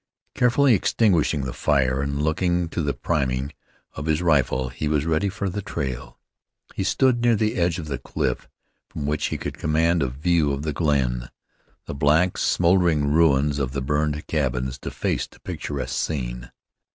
Carefully extinguishing the fire and looking to the priming of his rifle, he was ready for the trail. He stood near the edge of the cliff from which he could command a view of the glen. The black, smoldering ruins of the burned cabins defaced a picturesque scene.